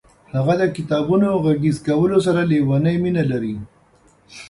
هغه د کتابونو غږیز کولو سره لیونۍ مینه لري.